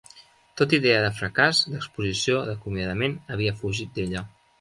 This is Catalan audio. Tota idea de fracàs, d'exposició, d'acomiadament havia fugit d'ella.